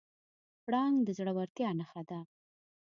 پړانګ د زړورتیا نښه ده.